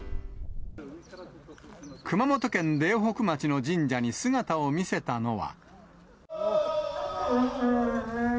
熊本県苓北町の神社に姿を見せたのは。